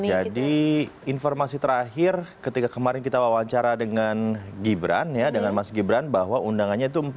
jadi informasi terakhir ketika kemarin kita wawancara dengan gibran ya dengan mas gibran bahwa undangannya itu empat